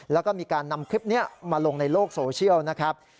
แล้วก็มีการนำคลิปนี้มาลงในโลกโซเชียลนะครับ